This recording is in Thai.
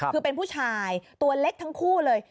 คือเป็นผู้ชายตัวเล็กทั้งคู่เลย